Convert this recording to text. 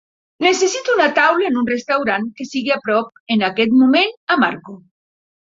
necessito una taula en un restaurant que sigui a prop en aquest moment a Marco